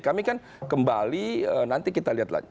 kami kan kembali nanti kita lihat lagi